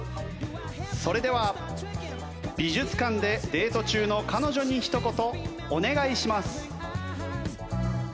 それでは美術館でデート中の彼女にひと言お願いします。